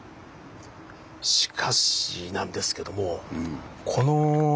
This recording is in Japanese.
しかしなんですけどもここですかね。